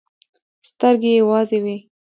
سترګې يې وازې وې.